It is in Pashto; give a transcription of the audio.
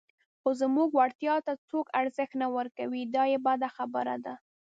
خو زموږ وړتیا ته څوک ارزښت نه ورکوي، دا یې بده خبره ده.